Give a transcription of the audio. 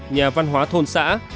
nhà văn hóa thôn xã